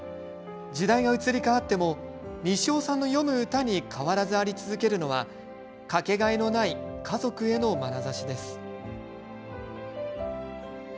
時代が移り変わっても西尾さんの詠む歌に変わらず、あり続けるのは掛けがえのない家族へのまなざしです。